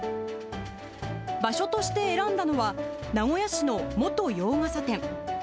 場所として選んだのは、名古屋市の元洋傘店。